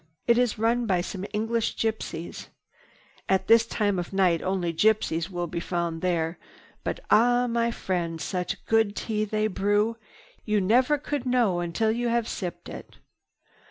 It is run by some English gypsies. At this time of night only gypsies will be found there. But, ah my friend, such good tea as they brew! You never could know until you have sipped it."